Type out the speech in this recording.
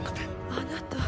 あなた。